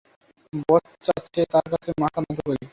বস চাচ্ছে তার কাছে মাথা নত করি।